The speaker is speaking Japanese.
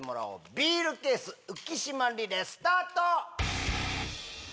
ビールケース浮島リレースタート！